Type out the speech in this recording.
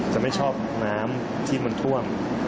จะไม่ชอบน้ำที่มันท่วม